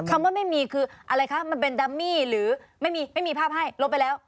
คำว่าไม่มีคืออะไรคะมันเป็นดัมมี่หรือไม่มีไม่มีภาพให้ลบไปแล้ว